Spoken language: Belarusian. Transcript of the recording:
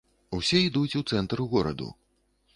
Усе ідуць у цэнтр гораду.